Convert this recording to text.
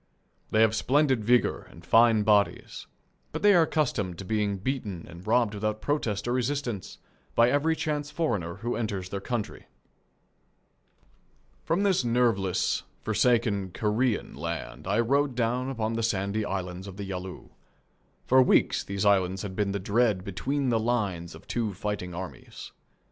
They have splendid vigour and fine bodies, but they are accustomed to being beaten and robbed without protest or resistance by every chance foreigner who enters their country. From this nerveless, forsaken Korean land I rode down upon the sandy islands of the Yalu. For weeks these islands had been the dread between the lines of two fighting armies.